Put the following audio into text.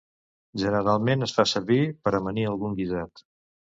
Generalment es fa servir per amanir algun guisat